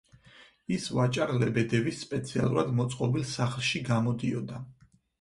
ის ვაჭარ ლებედევის სპეციალურად მოწყობილ სახლში გამოდიოდა.